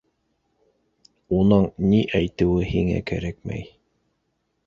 — Уның ни әйтеүе һиңә кәрәкмәй.